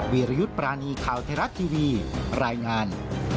วิรยุทธ์ปรานีข่าวไทยรัฐทีวีรายงาน